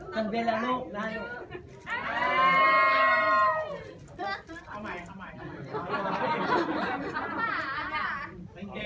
ไม่มีใครก็ช่วยฉันอ้วยงั้นเเหละอ๋อ